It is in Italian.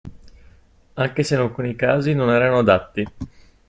Anche se in alcuni casi non erano adatti.